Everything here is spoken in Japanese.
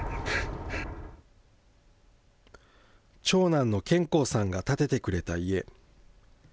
長男の健幸さんが建ててくれた家。